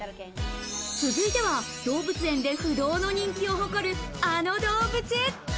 続いては動物園で不動の人気を誇るあの動物。